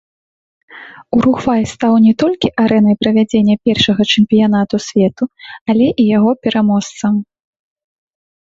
Уругвай стаў не толькі арэнай правядзення першага чэмпіянату свету, але і яго пераможцам.